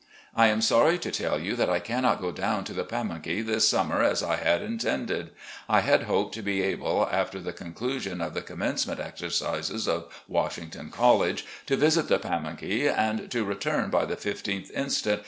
I am sorry to tell you that I cannot go down to the Pamunkey this summer as I had intended ;... I had hoped to be able, after the conclusion of the commencement exercises of Washington College, to visit the Pamimkey, and to return by the 15th inst.